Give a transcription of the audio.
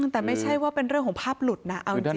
แต่ไม่ใช่ว่าเป็นเรื่องของภาพหลุดนะเอาจริง